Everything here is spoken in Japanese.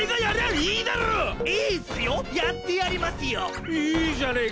言うじゃねえか！